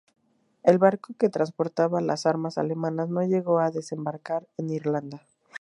El barco que transportaba las armas alemanas no llegó a desembarcar en Irlanda.